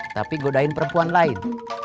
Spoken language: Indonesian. tapi godain perempuan lain